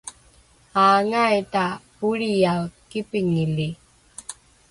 Aangai ta polriyae kipingili?